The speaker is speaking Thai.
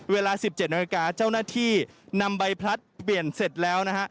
เวลา๑๗นาฬิกาเจ้าหน้าที่นำใบพลัดเปลี่ยนเสร็จแล้วนะฮะ